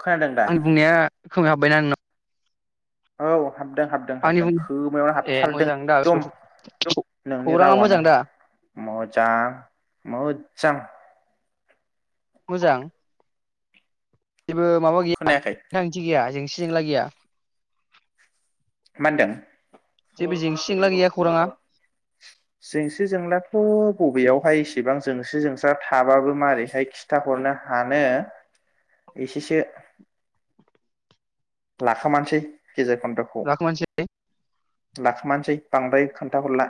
खोनादों दा आंनि बुंनाया। खोमायाव हाबबायना नोंनियाव। औ। हाबदों हाबदों हाबदों बुं खोमायावनो ए हाबथारदों मोजां दा एकदम नोंनि खौराङा रावानो मोजां दा मोजां। मोजां। मोजां। जेबो माबा गैया खोनायाखै गोनांथि गैया जों। जेंसि जेंला गैया। मा होनदों? जेबो जेंसि जेंला गैया खौराङा जेंसि जेंलाथ। बबेयावहाय इसेबां जेंसि जेंला थाबाबो मारैहाय खिथााहरनो हानो एसेसो। लाखोमानोसै। गेजेर खनदखौ लाखोमानोसै लाखोमानोसै। बांद्राय खोन्थाहरला।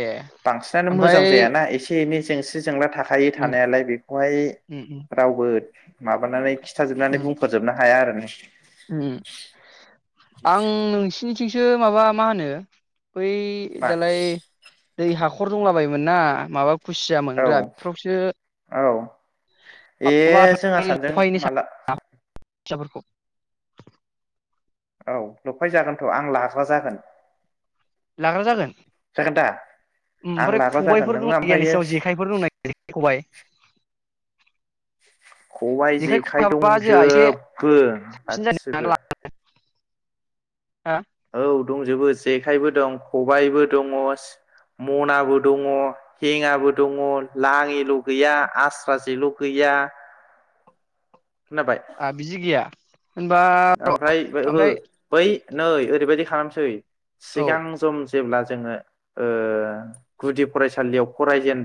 ए बांसिनानो ओमफ्राय मोजां जायाना एसे एनै। सावरायनायासो। जेंला थाखायो उम थानायालाय बेखौहाय उम उम रावबो। माबानानै खिथानो। खिथाजोबनानै उम बुंफोरजोबनो हाया आरो ना। [inaudible] आं नोंसिनि। नोंसिनिथिंसो माबा मा होनो? बैय औ दालाय। दै हाखर दंलाबायमोन ना माबा? खुसिया औ मोनग्रा बेफोरावसो औ ए माबा जोंहा सानैजों माला। फिसाफोरखौ। [inaudible] औ लफायजागोनथ आं लाग्रा जागोन। लाग्रा जागोन जागोन दा आं ओमफ्राय लाग्रा जागोन खबायफोर नोङो दंना गैया ओमफ्रायो नोंसिनाव जेखाइफोर दंना गैया जेखाय खबाइ। खबाय जेखाइ खबाबा जोंहा एसे दंजोबो गासिबो। हा औ दंजोबो जेखाइबो दं खबाइबो दङ मनाबो दङ हेङाबो दङ लाङिल' गैया आस्रा जेल' गैया। खोनाबाय आ बिजि गैया। होनबा बै ओहो ओमफ्राय। बै नै ओरैबायाददि खालामसै। औ सिगां जम जेब्ला जोङो गुदि फरायसालियाव फरायेन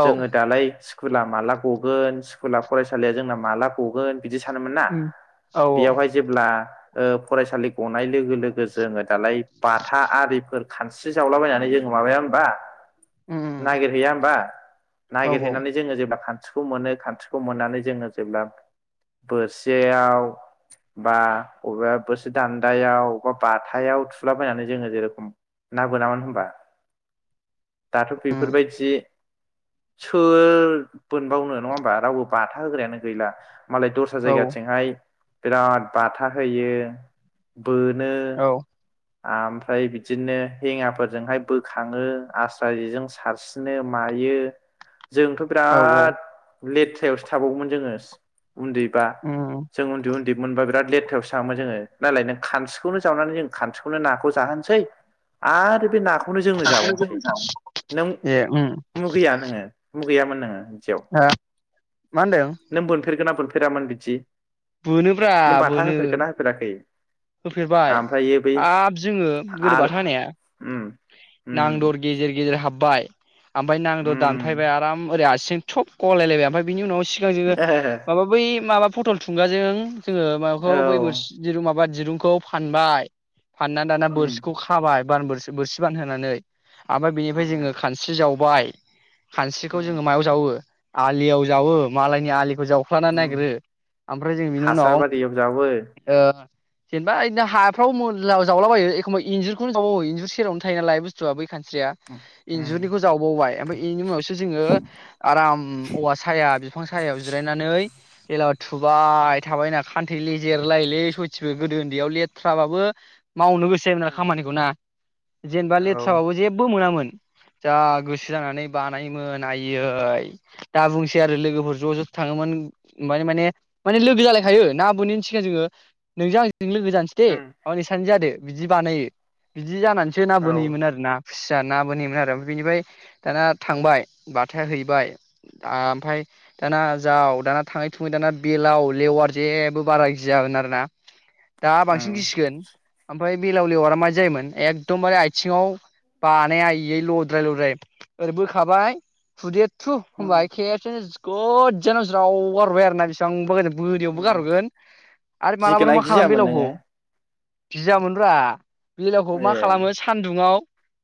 औ जोङो दालाय स्कुला माला गगोन? स्कुला फरायसालिया जोंना माला गगोन? बिदि सानोमोन ना? उम औ बेयावहाय जेब्ला फरायसालि गनाय लोगो लोगो जोङो दालाय बाथा आरिफोर खानस्रि जावलाबायनानै जोङो माबाया होनोमबा? नागिरहैया होमबा? औ नागिरहैनानै जोङो जेब्ला खान खान्स्रिखौ मोनो खान्स्रिखौ मोननानै जोङो जेब्ला बोरसेयाव बा बबेबा बोसोर दान्दायाव बबेबा बथायाव थुलाबायनानै जोङो जेरेखम ना बोनामोन होनबा? दाथ' बेफोरबायदि सोर मोनोनबावनो नङा होमबा रावबो बाथा होग्रायानो गैला मालाय दस्रा जायगाथिंहाय बिराद बाथा होयो। बोनो औ ओमफ्राय बिदिनो हेङाफोरजोंहाय बोखाङो आस्रा जजों सारसिनो मायो जोंथ' औ बिराद लेथ्रायावसो थाबावगोमोन जोङो उन्दै बा उम जों उन्दै उन्दै बिदि मोनबा बिराद लेथ्रायावसो थङोङो नालाय नों खानस्रिखौनो जावनानै जों खथिनो नाखौ जोनोसै आरो बे नाख बेखौनो जोंनो जाबावनोसै नों ए उम मुगैया नोङो मुगैयामोन नोङोसेयाव हा मा होनदों नों बोनफेरगोना ब फैयामोन बिदि बोनोब्रा नों बाथा बोनो होफेरगोना होफेराखै होफेरबाय ओमफ्रायो बै हाब जोङो आल गोदोबाथायाया उम उम नांदर गेजेर गेजेर हाब बाय ओमफाय नांद' उम दानफायबाय आराम ओरै सेंथब कलायबाय ओमफाय बिनि उनाव सिगां जोङो माबा बै माबा फटल थुंगाजों जोङो औ माबाखौ बै बोर जु माबाद दिरुंखौ फानबाय फानना दाना उम बोरसिखौ खाबाय बान बोर बोरसि बान होनानै ओमफाय बेनिफ्राय जोङो उम खानस्रि जाव बाय खानस्रिखौ उम जोङो मायाव जावो आलियाव जावो मालायनि आलि जावफ्लानानै उम नागिरो ओमफ्राय जों बिनि हासार उनाव बारियाव जावो ओ जेनबाओदिनो हाफ्राव मला जावलाबायो एखमबा इन्जुरखौ जावो इन्जुर सेरावनो थायो नालाय बुसटुआ बै खान स्रिया उम उम इन्जुरनिखौ जावबावबाय ओमफ्राय बेनि उनावसो जोङो आराम औवा साया बि बिफां सायाव जिरायनानै जला थुबाय थाबायना खान्थै लेजेरलायोलै सयथि ओ गोदो उन्दैयाव लेथ्राबाबो मावनो गोसो जायोमोन आरो खामानिखौ ना। जेनेबा औ लेथ्राबाबो जेबो मोनामोन। जा गोसो जानानै बानायोमोन आयइै दा बुंसै आरो लोगोफोर ज' ज' थाङोमोन म मानि माने माने लोगो जालायखायो ना बोनैनि सिगां जोङो। नोंजों आंजों जों लोगो जानोसै दे उम अ नोंसोर सानैजों जादो। बिदि बानायो बिजि जानानैसो ना औ बोनहोयोमोन आरो ना। खुसिया ना बोनहैयोमोन आरो बेनिफ्राय दाना थांबाय बाथाया हैबाय आमफाय दाना जाव दाना थाङै थुङै दाना बेलाव लेवार जेबो बारा गियामोन आरोना। दा बांसिन उम गिसिगोन ओमफाय बेलाव लिवरा माबै जायोमोन एखदमबारे आथिङाव बानायायै लद्राय लद्राय ओरै बोखाबाय फुदेर थु होनबाय खेबसेनो गोजानाव ज्राव गारहरबाय आरोना बेसेबांबा गोजान बोरियावबो उम गारहरगोन आरो मालाबफोर गिगोना मा खालाम गियामोन बेलावखौ नोङो गियामोन ब्रा। बिलावखौ मा ए खालामो सान्दुङआव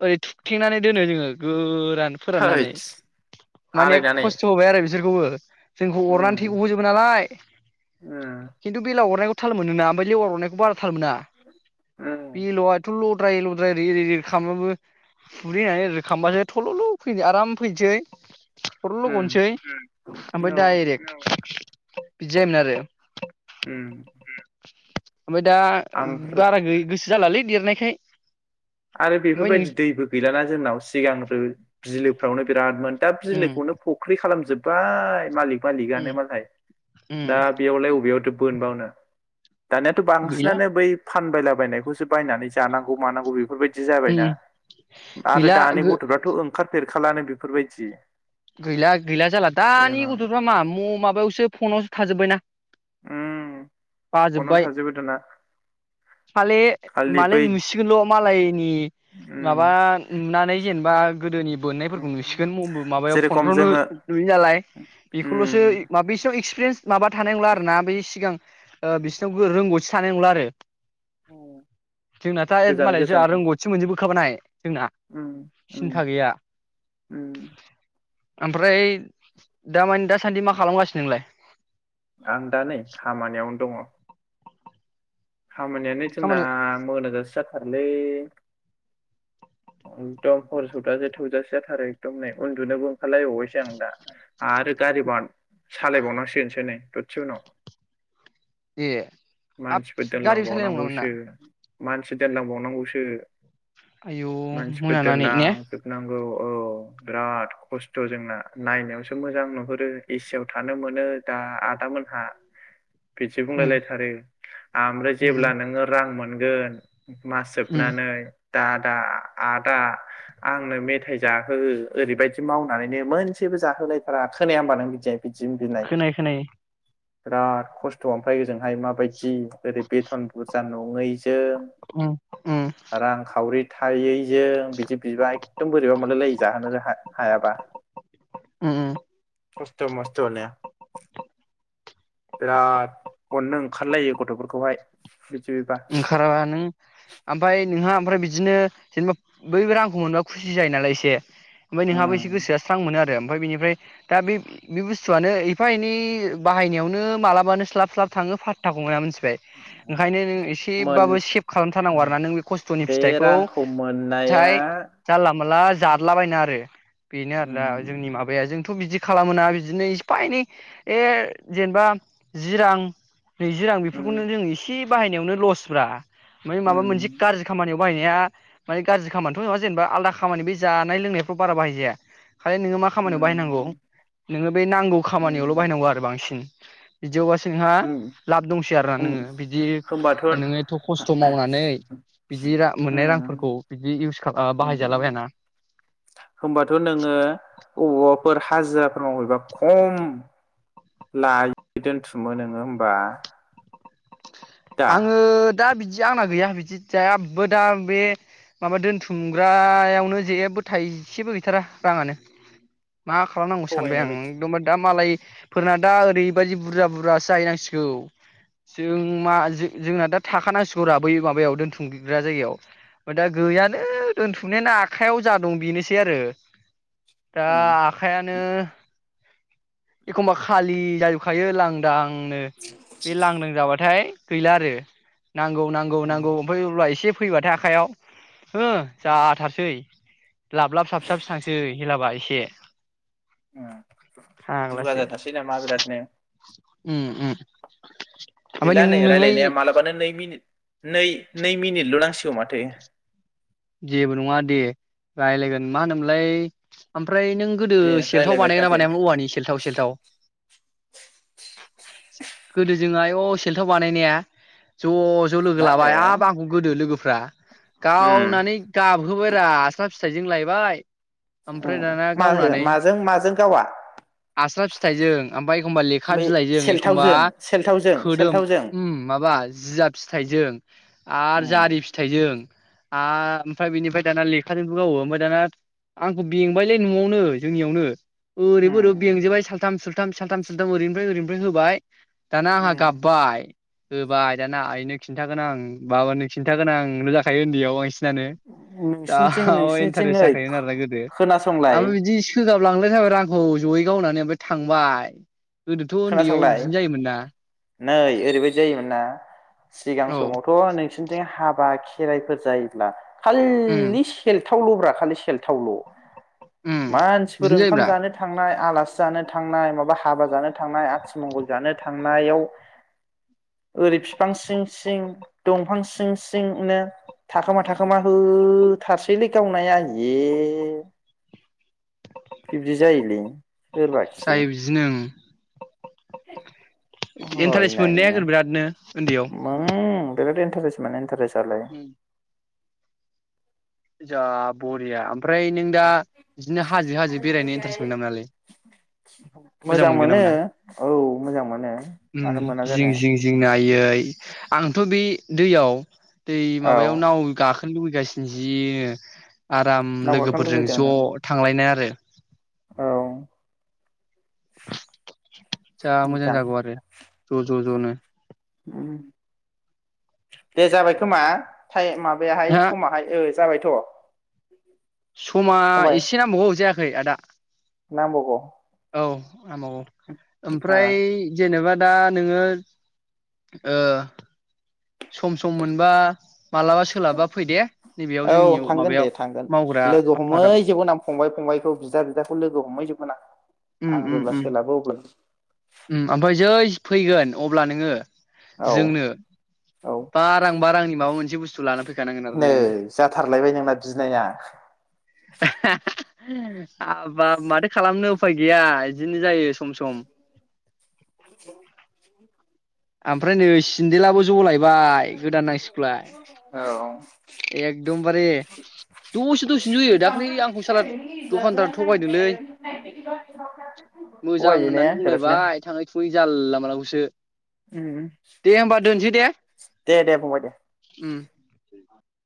ओरै थुखथेंनानै दोनो जोङो गो रान फोराननानै थैस माने आलायनानै खस्थ' होबाय आरो बि बिसोरखौबो जोंखौ अरनानै उम थै गहोजोबो नालाय उम [unintelligible] खिन्थु बेललाव अरनायखौ थाल मोनो ना ओमफ्राय लेवार अरनायखौ बारा थाल मोना। उम बेललावाथ' ल लद्राय लद्राय ओरै ओरै ओरै खालामब्लाबो फुरैनानै ओरै खालामबानो थल'ल' फैनो आराम फैनोसै। थरल' उम गनोसै औ ओमफ्राय डाइरेक्ट बिदि जायोमोन आरो उम [inaudible] ओमफ्राय दा आमफ्रो बारा गोसो जालालै लिरनायखाय आरो बेफोरबायदि दैबो गैलाना जोंनाव सिगांफोर बिलो रावनो बिरादमोन। दा बि उम लोखौनो फख्रि खालामजोब बाय मलिक उम मालिगानो मालाय उम दा बेयावलाय अबेयावथो बोनबावनो दानियाथ' गैला बांसिनानो बै फानबायला बायनायखौसो बायनानै जानांगौ मानांगौ बे बिदि जाबाय उम ना आरो गैला दानि गथ'फ्राथ' ओंखार फेरखालानो बेफोरबायदि गैला गैला जाला दानि सिगां गथ'फ्रा मा म माबायावसो फनावसो थाजोब्बाय ना उम फनावनो बाजोबबाय थाजोबो दाना खालि खालि मालाय बै नुसिगोनल' मालायनि उम माबा नुनानै जेनेबा गोदोनि उम बोननायफोरखौ नुसिगोन मब माबायाव जेरेखम फ्रावनो जोङो नुयो नालाय बेखौल'सो उम मा बे स एक्सफिरेन्स माबा थानाय नंला आरो ना बै सिगां ओ बिसोरनाव रोंगौ थानाय नंला आरो जोंनाथ' आ एद गोजान मालाय जोंहा गोजान रोंग'थि मोनजोबो खाबोनाय जोंना उम उम सिन्था गैया उम आमफ्राय दा मानि दा सान्दि मा खालामगासिनो नोंलाइ? आं दा नै खामानियावनो दङ'। खामानियानो जोंना खामानि मोना जासे जा आरोलै एकदम हर सौजासे थौजासे जाथारो एकदम नै उन्दुनोबो ओंखारलायबावबायसो आं दा। आरो गारि बार सालाय बावनांसिगोनसो नै दससे उनाव ए हाब मानसिफोर गारिबो सालायनांगौ नामा नोंना दोनलांबावनांगौसो। मानसि दोनलांबावनांगौसो। आयौ मोनानानै ने। औ औ बिराद खस्थ' जोंना। नायनायावसो मोजां नुहुरो एसि आव थानो मोनो दा आदामोनहा [unintelligible] उम बुंलायलायथारो। आमफ्राय उम जेब्ला नोङो रां मोनगोन मास उम जोबनानै दादा आदा आदा आंनो मेथाइ जाहो ओरैबायदि मावनानैनो मोनसेबो जाहोलायथारा खोनाया होनबा नों बिदि। बिदि बिनाय खोनायो खोनायो बिराद खस्थ' ओमफाय ओजोंहाय माबायदि जि ओरै बेथन बुरजा नङैजों उम उम उम रां खावरि थायै जों बिदि बिबा एखदम बोरैबा मोनलाय लायो जाहोनो हायाबा उम खस्थ' मस्थ'नो बिराद अननो ओंखारलायो। गथ'फोरखौहाय बिदि बिबा ओंखाराबा नों ओमफाय नोंहा ओमफ्राय बिदिनो जेनेबा बैबो रांखौ मोनबा खुसि जायो नालाय एसे ओमफ्राय नोंहाबो एसे गोसोआ स्रां मोनो आरो ओमफाय बिनिफ्राय दा बे बे बुस्थुआनो एफा एनै बाहायनायावनो मालाबानो स्लाब स्लाब थाङो फातताखौ मोना [unintelligible] [unintelligible] ओंखायनो नों मोन सेबाबो सेभ खालामथारनांगौ उम, आरोना नों बे खस्थ'नि बे फिथाइखौ रांखौ मोननाया [unintelligible] जाला माला जादलाबायना आरो बेनो आरो ना उम जोंनि माबाया जोंथ' बिदि खालामोना बिदिनो एफा एनै ए जेनेबा जि रां नैजि रां उम बेफोरखौनो जों एसे बाहायनायावनो लस मसफ्रा माबा मोनसे उम गाज्रि खामानियाव बायनाया मानानि गाज्रि खामानिथ' नङा जेनेबा आलदा खामानि बे जानाय लोंनायफ्राव बारा बाहायजाया खालि नोङो मा खामानियाव बाहायनांगौ उम नोङो बे नांगौ खामानियावल' उम बाहायनांगौ आरो बांसिन बि जौ बस नोंहा उम लाब दंसै आरोना होम नोङो बिदि होमबाथ' नोङो एथ' खस्थ' मावनानै बिदि मोननाय रांफोरखौ बिदि इउस खाला बाहायजालाबायाना होनोमबाथ' नोङो बबावबाफोर हाजिराफोर मावहैबा खम लायो दोनथुमो नोङो होमबा? दा आङो दा बिदि आंना गैया बिदि जेबो दा बे माबा दोनथुमग्रायावनो जेबो थाइसेबो गैथारा रांङानो। मा खालामनांगौ सानबाय थगायनाय बायदि आं [unintelligible] दा मालाय फोरना दा ओरैबायदि बुरजा बुरजासो जाहैनांसिगौ जों मा जोंना दा थाखानांसिगरा बै माबायाव दोनथुमग्रा जायगायाव ओमफ्राय दा गैयानो दोनथुमनायानो आखायाव दं बेनोसै आरो दा उम आखाइ आनो एखमबा खालि जाजोबखायो लांदां। आंनो बे लांदां जाबाथाय गैला आरो। नांगौ नांगौ उम नांगौ ओमफ्राय अब्ला एसे फैबाथाय आखाइयाव हो उम जाथारसै। लाब लाब साबसाब थांसो हेलाबा एसे दुगा फाग्लासो जाथारसै नामा बिरादनो? उम उम। ओमफ्राय नों नोंलाय नाया मालाबानो नै मिनिट नै नै मिनिटल' नांसिगौ माथो। जेबो नङा दे रायलायगोन मा होनोमोनलाय ओमफ्राय नों गोदो दे सेलथाव रायलायबाय था बानायगोन ना दे बानायामोन औवानि सेलथाव सेलथाव गोदो जों आयौ सेलथाव बानायनाया ज' ज' लोगो मा लाबाय हाब होनदों आंखौ गोदो लोगो फ्रा गाव उम नानै गाबहोबाय रा आस्ला फिथाइजों लाय बाय माजों माजों गावा आस्रा फिथाइजों ओमफाय, एखमबा लेखा बै बिलाइजों एखमबा सेलथावजों सेलथावजों सेलथावजों खोदोम माबा जिया फिथाइजों आरो उम जारि फिथाइजों, आ ओमफ्राय बेनिफ्राय दाना लेखाजोंबो गावो ओमफ्राय दाना आंखौ बेंबायलै न'आवनो जोंनियावनो, ओरैबो उम ओरैबो बेंजोबबाय सालथाम सुथ साथाम सानथाम सानथाम ओरैनि ओरनिफ्राय होबाय, दाना आंहा उम गाबाय होबाय दाना आइनो खिन्थागोन आं बाबानो खिन्थागोन आं जाखायो उन्दैयाव आं [unintelligible] जा नोंसिनिथिं नोंसिनिथिं इन्टारेस्ट नै जाबायमोन आरोना गोदो खोनासंलाय आमफाय बिदि सोगाब लांलायथारबाय रा आंखौ जयै गावनानै ओमफ्राय थांबाय। गोदोथ' उन्दैयाव खोनासंलाय बिदिनो जायोमोन ना? नै ओरैबायदि जायोमोन ना सिगां औ समावथ' नों नोंसिनथिं हाबा खेराइफोर जायोब्ला उम खाल्लि सेल थाव ल'ब्रा खालि सेलथावल' उम मानसिफोर बिदिनो ओंखाम जायोब्रा जानो थांनाय आलासि जानो थांनाय माबा हाबा जानो थांनाय आथिमंगल जानो थांनायाव ओरै बिफां सिं सिं दंफां सिं सिंनो थाखोमा थाखोमा होथार सिलै गावनाया ए बिब्दि जायोलै सोरबाखि। जायो बिदिनो ओं इन्टारेस्ट हयनायैनो मोननायागोन बिरादनो उन्दैयाव उम बिराद इन्टारेसमोन इन्टारेस आलाय। जा बरिया ओमफ्राय नों दा बिदिनो हाजो हाजो बेरायनो इन्टारेस्ट मोनो ना मोनालै मोजां मोनगोन ना मोन ना औ मोजां मोनो मानो मोना जिं जानो जिं जिं नो आयै आंथ' बे दैयाव दै औ माबायाव नाव गाखो [unintelligible] थांनो लुबैगासिनोसो जिनो आराम दावगाखां लोगोफोरजों लुबैदों आङो ज' थांलायनाय आरो। औ जा मोजां जागौ आरो। ज' ज' ज' नो दे जाबाय खोमा। [unintelligible] माबायाहाय नोंहा समाहाय ओ जाबायथ' समा फंबाय एसे नांबावगौ जाया यै आदा नांबावगौ औ [unintelligible] ओ ओमफ्राय जेनेबा दा नोङो ओ सम सम मोनबा मालाबा सोलाबा फै दे नैबेयाव औ जोंनि थांगोन दे माबायाव थांगोन मावग्रा लोगो आफादाव हमहै जोबगोन आं फंबाय फंबायखौ बिदा बिदाखौ लोगो हमहै जोबगोन आं आं जेब्ला सोलाबो अब्ला ओम ओमफाय जै फैगोन अब्ला नोङो औ जोंनो औ बा रां बा रांनि माबा मोन बुसथु लाना फै नै जाथारलायबाय नोंना बिनाया हाबाब माथो खालामनो उफाय गैया बिदिनो जायो सम सम ओमफ्राय नै सिन्देलाबो जलायबाय गोदान नांसिगौलाय औ एकदमबारे दसे दसेनो जयो दाख्लै आंखौ साला दखानदारा थगायदोलै मोजां थगायो ने होननानै बिरादनो बुंलायबाय थाङै थुङै जालला मालाखौसो ओम दे दे फंबाय दे उम